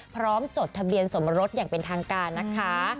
จดทะเบียนสมรสอย่างเป็นทางการนะคะ